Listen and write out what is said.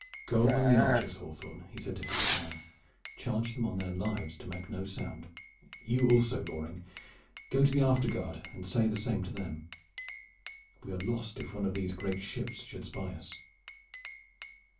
"Go among the archers, Hawthorne," said he to his Squire. "Charge them on their lives to make no sound! You also, Loring. Go to the afterguard and say the same to them. We are lost if one of these great ships should spy us."